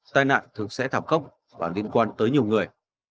tai nạn thường sẽ thảm khốc và liên quan tới nhiều người